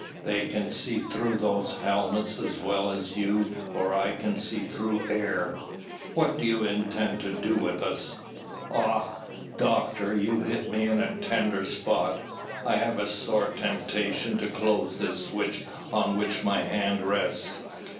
They can see through those helmets as well as you or I can see through air." "What do you intend to do with us?" "Ah, Doctor, there you hit me in a tender spot. I have a sore temptation to close this switch on which my hand rests.